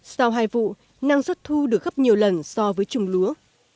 sau hai vụ năng suất thu được gấp nhiều lần so với trồng lúa